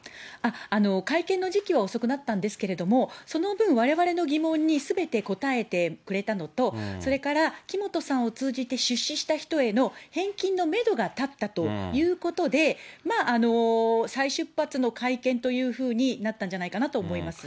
会見の時期は遅くなったんですけれども、その分、われわれの疑問にすべて答えてくれたのと、それから木本さんを通じて、出資した人への返金のメドが立ったということで、まあ、再出発の会見というふうになったんじゃないかなと思います。